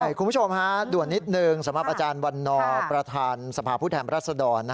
คุณผู้ชมฮะด่วนนิดนึงสำหรับอาจารย์วันนอร์ประธานสภาพผู้แทนรัศดร